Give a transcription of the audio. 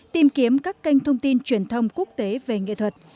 tìm kiếm các kênh thông tin truyền thông quốc tế về nghệ thuật